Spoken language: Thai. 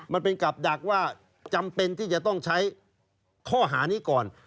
มันเป็นกลับดักว่าจำเป็นที่จะต้องใช้ข้อหานี้ก่อน